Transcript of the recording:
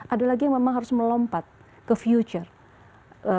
ada lagi yang memang harus melompat ke future